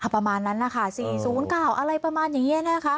ประมาณนั้นนะคะ๔๐๙อะไรประมาณอย่างนี้นะคะ